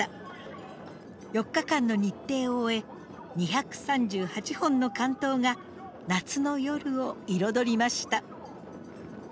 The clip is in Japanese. ４日間の日程を終え２３８本の竿燈が夏の夜を彩りました。